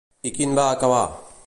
I quin va acabar?